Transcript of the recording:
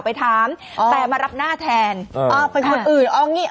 ปรากฏว่าสิ่งที่เกิดขึ้นคลิปนี้ฮะ